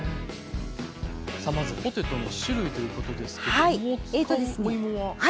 さあまずポテトの種類ということですけども使うお芋は？